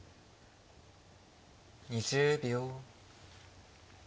２０秒。